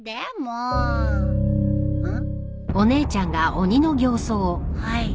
うん！